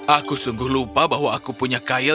aku sungguh lupa bahwa aku punya kail